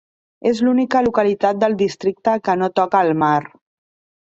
És l'única localitat del districte que no toca al mar.